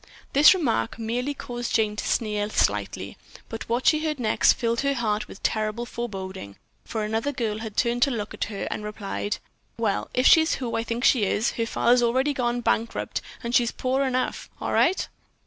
This remark merely caused Jane to sneer slightly, but what she heard next filled her heart with terrified foreboding, for another girl had turned to look at her and replied: "Well, if she's who I think she is, her father's already gone bankrupt, and she's poor enough, all right."